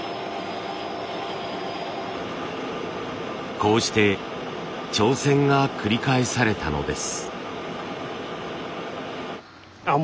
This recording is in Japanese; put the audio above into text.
こうして挑戦が繰り返されたのです。